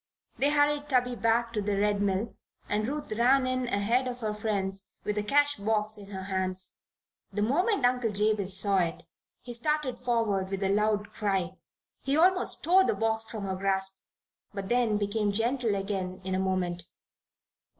They hurried Tubby back to the Red Mill and Ruth ran in ahead of her friends with the cash box in her hands. The moment Uncle Jabez saw it he started forward with a loud cry. He almost tore the box from her grasp; but then became gentle again in a moment.